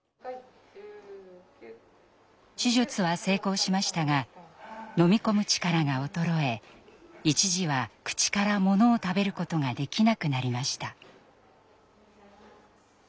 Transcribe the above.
手術は成功しましたが飲み込む力が衰え一時は口からものを食べることができなくなりました。